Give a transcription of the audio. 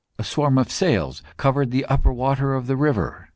A swarm of sails covered the upper waters of the river.